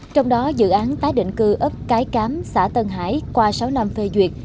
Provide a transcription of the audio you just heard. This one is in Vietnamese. trong đó dự án tái định cư ấp cái cám xã tân hải qua sáu năm phê duyệt